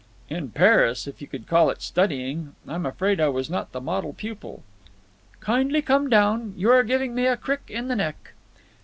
"In Paris, if you could call it studying. I'm afraid I was not the model pupil." "Kindly come down. You are giving me a crick in the neck."